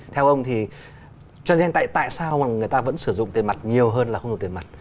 theo ông thì cho nên tại sao người ta vẫn sử dụng tiền mặt nhiều hơn là không dùng tiền mặt